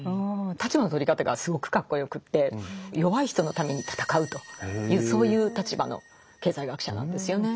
立場の取り方がすごくかっこよくて弱い人のために戦うというそういう立場の経済学者なんですよね。